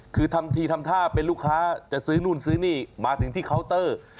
คือทำทีทำท่าเป็นลูกค้าจะซื้อนู่นซื้อนี่มาถึงที่เคาน์เตอร์